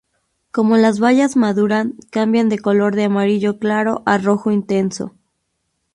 Como las bayas maduran cambian de color de amarillo claro a rojo intenso.